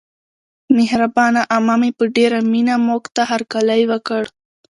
مهربانه عمه مې په ډېره مینه موږته هرکلی وکړ.